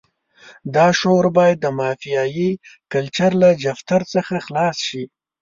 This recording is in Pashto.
دا شعور باید د مافیایي کلچر له جفتر څخه خلاص شي.